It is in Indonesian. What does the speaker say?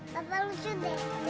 bapak lucu deh